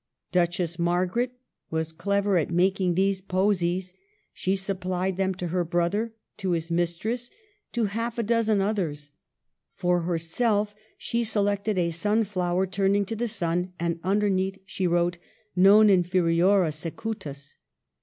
Duchess Margaret was clever at making these posies ; she supplied them to her brother, to his mistress, to half a dozen others. For herself, she selected a sunflower THE YOUNG KING AND HIS RIVALS. 3 1 turning to the sun, and underneath she wrote, Noil inferiora secutus.